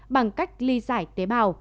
bằng cách ly giải tế bào